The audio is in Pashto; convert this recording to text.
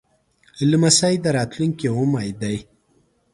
لمسی د راتلونکي امید دی.